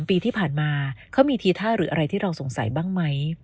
ปีที่ผ่านมาเขามีทีท่าหรืออะไรที่เราสงสัยบ้างไหม